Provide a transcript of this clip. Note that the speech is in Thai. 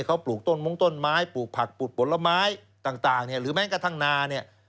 เขาปลูกต้นมงต้นไม้ปลูกผักปลูกผลไม้ต่างเนี่ยหรือแม้กระทั่งนาเนี่ย